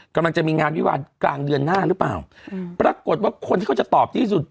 กำลังจะมีงานวิวาลกลางเดือนหน้าหรือเปล่าอืมปรากฏว่าคนที่เขาจะตอบที่สุด